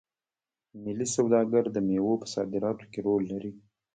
ملي سوداګر د میوو په صادراتو کې رول لري.